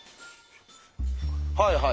はいはい。